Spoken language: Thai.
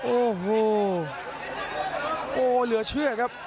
โอ้โหโอ้เหลือเชื่อครับ